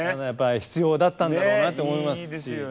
必要だったんだろうなと思いますし。